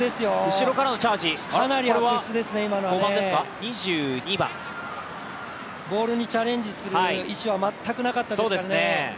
後ろからのチャージ、ボールにチャレンジする意思は全くなかったですからね。